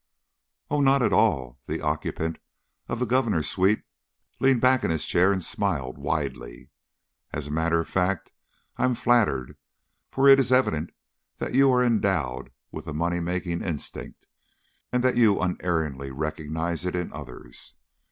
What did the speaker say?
"Oh, not at all." The occupant of the Governor's suite leaned back in his chair and smiled widely. "As a matter of fact, I am flattered, for it is evident that you are endowed with the money making instinct and that you unerringly recognize it in others.